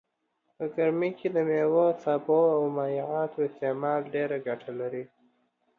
په ګرمي کي دميوو سابو او مايعاتو استعمال ډيره ګټه لرئ